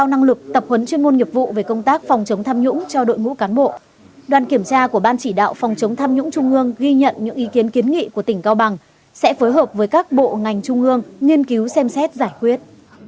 đánh giá cao công tác phòng chống tham nhũng trung ương ghi nhận những ý kiến kiến nghị của tỉnh cao bằng sẽ phối hợp với các bộ ngành trung ương nghiên cứu xem xét giải quyết